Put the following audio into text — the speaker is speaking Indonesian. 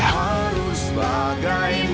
aku harus bagaimana